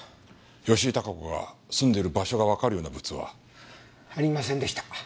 吉井孝子が住んでる場所がわかるようなブツは？ありませんでした。